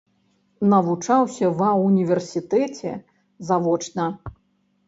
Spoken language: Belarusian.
Навучаўся ва ўніверсітэце завочна.